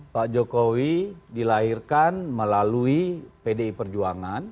pak jokowi dilahirkan melalui pdi perjuangan